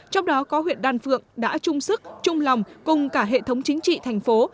trong đó có huyện đan phượng đã chung sức chung lòng cùng cả hệ thống chính trị thành phố